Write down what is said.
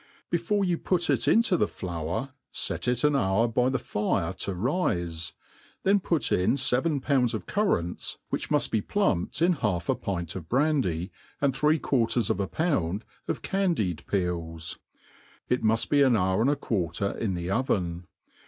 Before you put it into the flour, fet it an hour by the fire to rifej then put in fcven poinds of currants^ which muft be plumped in half a pint of branJy, and three quarters of a pound of candied pees. It muft be an hour and 2. quarter in the oven.